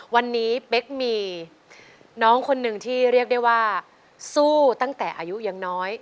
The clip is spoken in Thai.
วันนี้เป๊กมีน้องคนหนึ่งที่เรียกได้ว่าสู้ตั้งแต่อายุยังน้อย